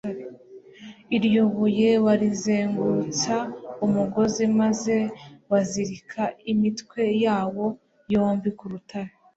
Iryo buye barizengumtsa umugozi maze bazirika imitwe yawo yombi ku rutare,